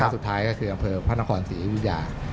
สุดท้ายก็คืออำเภอพระนครศรีอยุธยา